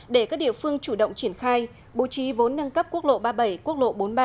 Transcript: để các địa phương chủ động triển khai bố trí vốn nâng cấp quốc lộ ba mươi bảy quốc lộ bốn mươi ba